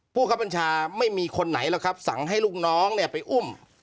ครับบัญชาไม่มีคนไหนหรอกครับสั่งให้ลูกน้องเนี่ยไปอุ้ม